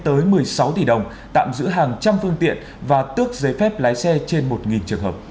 tới một mươi sáu tỷ đồng tạm giữ hàng trăm phương tiện và tước giấy phép lái xe trên một trường hợp